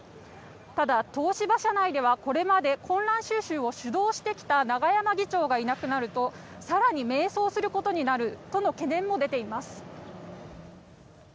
ただ、東芝社内ではこれまで混乱収拾を主導してきた永山議長がいなくなると更に迷走することになるという懸念も出ています。